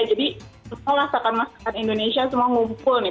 jadi semua masakan masakan indonesia semua ngumpul nih